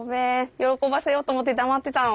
喜ばせようと思って黙ってたの。